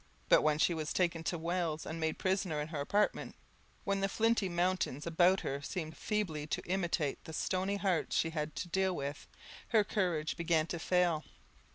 But when she was taken to Wales, and made a prisoner in her apartment, when the flinty mountains about her seemed feebly to imitate the stony hearts she had to deal with, her courage began to fail.